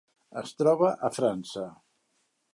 Es troba a França.